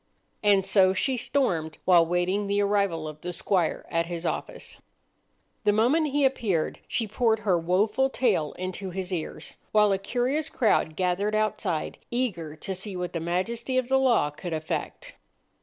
And so she stormed while awaiting the arrival of the squire at his office. The moment he appeared she poured her woful tale into his ears, while a curious crowd gathered outside, eager to see what the majesty of the law could effect.